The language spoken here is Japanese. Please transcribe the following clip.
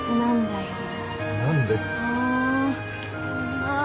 ああ！